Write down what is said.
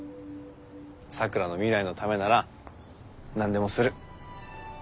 咲良の未来のためなら何でもする。